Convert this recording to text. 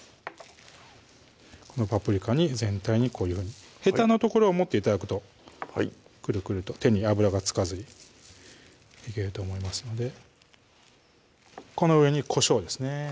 このパプリカに全体にこういうふうにヘタの所を持って頂くとくるくると手に油が付かずにいけると思いますのでこの上にこしょうですね